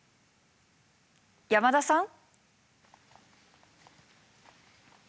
山田さん？